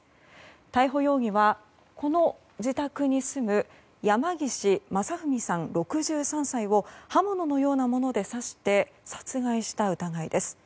逮捕容疑は、この自宅に住む山岸正文さん、６３歳を刃物のようなもので刺して殺害した疑いです。